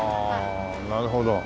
なるほど。